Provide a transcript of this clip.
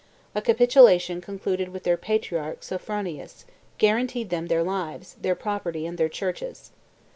A capitulation concluded with their patriarch, Sophronius, guaranteed them their lives, their property, and their churches.